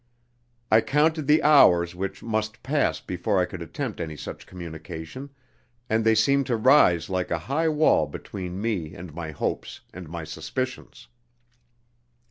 I counted the hours which must pass before I could attempt any such communication, and they seemed to rise like a high wall between me and my hopes and my suspicions.